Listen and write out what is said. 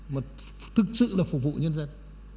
mà thực sự là phục vụ nhân dân